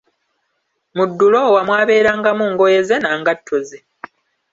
Mu duloowa mwabeerangamu ngoye ze na ngato ze.